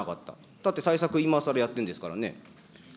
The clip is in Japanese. だって対策、今さらやってるんですからね。